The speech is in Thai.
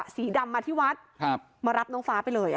แต่ในคลิปนี้มันก็ยังไม่ชัดนะว่ามีคนอื่นนอกจากเจ๊กั้งกับน้องฟ้าหรือเปล่าเนอะ